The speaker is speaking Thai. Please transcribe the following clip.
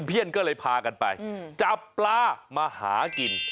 เพื่อนก็เลยพากันไปจับปลามาหากิน